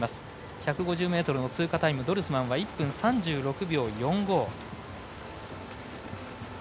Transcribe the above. １５０ｍの通過タイムドルスマンは１分３６秒４５。